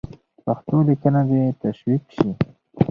پښتو لیکنه دې تشویق سي.